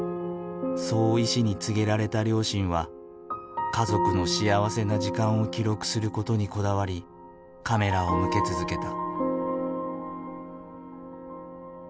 そう医師に告げられた両親は家族の幸せな時間を記録することにこだわりカメラを向け続けた。